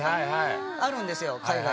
あるんですよ海外。